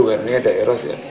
karena ini ada eros ya